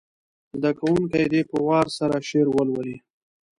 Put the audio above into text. زده کوونکي دې په وار سره شعر ولولي.